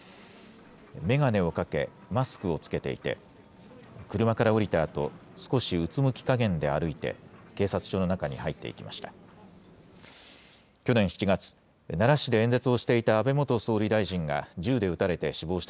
眼鏡をかけ、マスクを着けていて、車から降りたあと、少しうつむきかげんで歩いて、警察署の中に入っていきました。